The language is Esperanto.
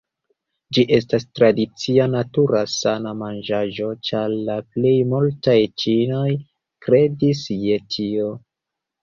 Ĝi estas tradicia natura sana manĝaĵo ĉar la plej multaj ĉinoj kredis je tio.